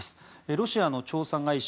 ロシアの調査会社